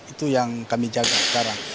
itu yang kami jaga sekarang